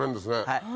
はい。